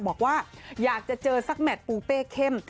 บอกว่าอยากจะเจอสักแมทปูเป้เข้ม